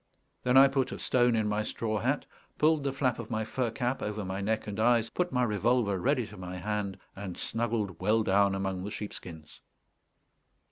Then I put a stone in my straw hat, pulled the flap of my fur cap over my neck and eyes, put my revolver ready to my hand, and snuggled well down among the sheepskins.